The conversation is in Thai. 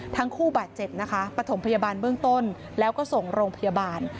ทั้งคู่บาดเจ็บนะคะปฐมพยาบาลเบื้องต้นแล้วก็ส่งโรงพยาบาล